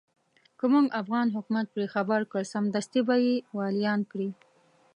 که موږ افغان حکومت پرې خبر کړ سمدستي به يې واليان کړي.